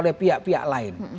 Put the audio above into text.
oleh pihak pihak lain